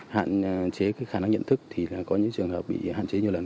hạn chế khả năng nhận thức thì là có những trường hợp bị hạn chế nhiều lần